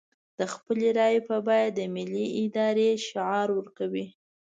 د خپلې رايې په بيه د ملي ارادې شعار ورکوو.